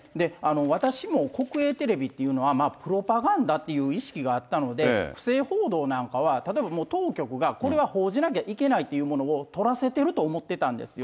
私も国営テレビっていうのは、プロパガンダっていう意識があったので、不正報道なんかは、例えばもう当局が、これは報じなきゃいけないというものをとらせてると思ってたんですよ。